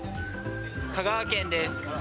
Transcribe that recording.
香川県です。